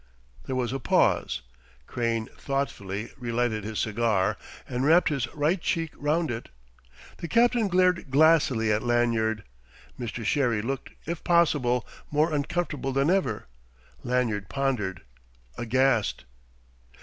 There was a pause. Crane thoughtfully relighted his cigar, and wrapped his right cheek round it. The captain glared glassily at Lanyard. Mr. Sherry looked, if possible, more uncomfortable than ever. Lanyard pondered, aghast.